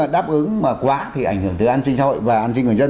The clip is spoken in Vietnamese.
đáp ứng mà quá thì ảnh hưởng tới an sinh xã hội và an sinh người dân